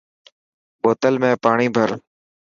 بوتل ۾ پاڻي ڀر.